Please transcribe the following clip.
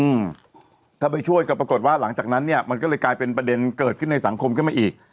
อืมถ้าไปช่วยก็ปรากฏว่าหลังจากนั้นเนี้ยมันก็เลยกลายเป็นประเด็นเกิดขึ้นในสังคมขึ้นมาอีก